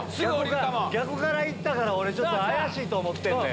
逆からいったから俺怪しいと思ってんねん。